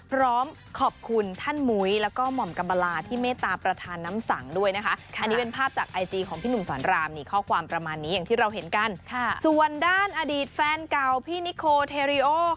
พร้อมขอบคุณท่านหมุยแล้วก็หม่อมกำเปล